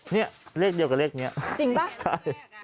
นี่เลขเดียวกับเลขนี้จริงป่ะใช่